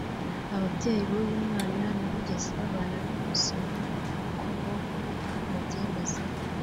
Aba babyeyi b’uyu mwana ntibigeze babana n’umunsi n’umwe nk’uko bombi babyemeza